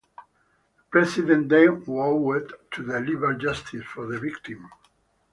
The President then vowed to deliver justice for the victim.